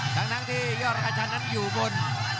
ตั้งที่ยอรกชันนั้นอยู่บน